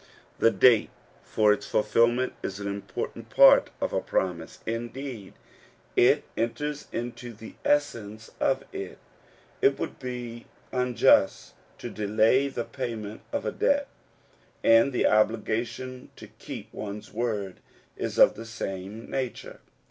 The date for its fulfilment is an important part of a promise ; indeed, it enters into the essence of it. It would be unjust to delay the payment of a debt ; and the obligation to keep one's word is of the same nature.